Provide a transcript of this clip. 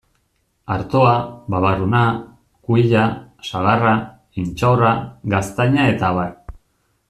Artoa, babarruna, kuia, sagarra, intxaurra, gaztaina eta abar.